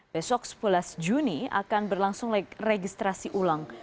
besok sebelas juni akan berlangsung registrasi ulang